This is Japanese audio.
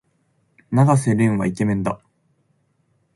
永瀬廉はイケメンだ。